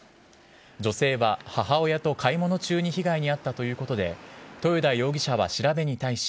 女性は母親と買い物中に被害に遭ったということで、豊田容疑者は調べに対し、